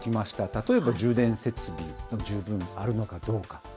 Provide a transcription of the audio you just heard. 例えば、充電設備が十分あるのかどうか。